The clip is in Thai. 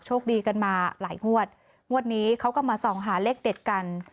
ดีกันมาหลายงวดงวดนี้เขาก็มาส่องหาเลขเด็ดกัน